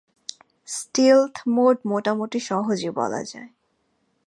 স্টিলথ mode মোটামুটি সহজই বলা যায়।